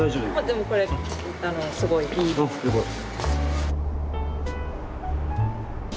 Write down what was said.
でもこれすごいいい。あっよかった。